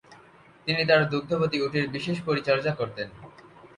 তিনি তার দুগ্ধবতী উটের বিশেষ পরিচর্যা করতেন।